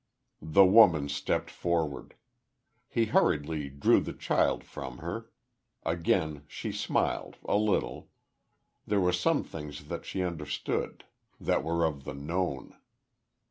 The woman stepped forward. He hurriedly drew the child from her.... Again she smiled, a little.... There were some things that she understood, that were of the Known.